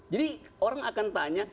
jadi orang akan tanya